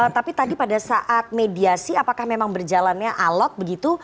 tapi tadi pada saat mediasi apakah memang berjalannya alot begitu